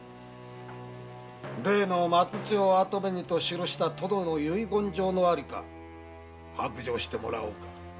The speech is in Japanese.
例の松千代を跡目にと記した殿の遺言状のありか白状してもらおうか。